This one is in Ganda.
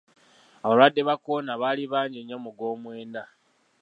Abalwadde ba kolona baali bangi nnyo mu gw'omwenda.